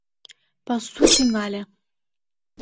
Пасу тӱҥале.